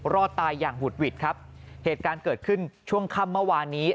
รอดตายอย่างหุดหวิดครับเหตุการณ์เกิดขึ้นช่วงค่ำเมื่อวานนี้